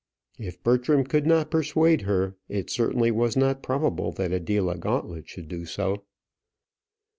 If Bertram could not persuade her, it certainly was not probable that Adela Gauntlet should do so.